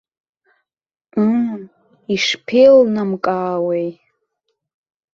Ыы, ишԥеилнамкаауеи!